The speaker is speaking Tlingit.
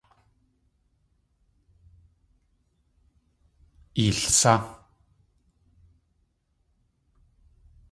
Eelsá!